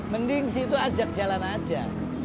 mending situ ajak jalan aja